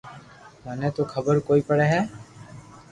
مني تو خبر ڪوئي پڙي ھي